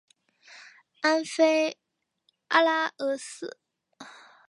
安菲阿拉俄斯。